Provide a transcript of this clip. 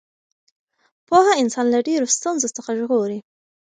پوهه انسان له ډېرو ستونزو څخه ژغوري.